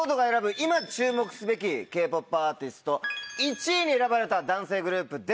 今注目すべきＫ−ＰＯＰアーティスト１位に選ばれた男性グループです。